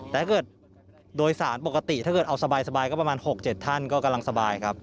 แต่ถ้าเกิดโดยสารปกติถ้าเกิดเอาสบายก็ประมาณ๖๗ท่านก็กำลังสบายครับ